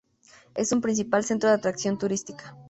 Es un principal centro de atracción turística.